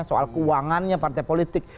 soal keuangannya partai politik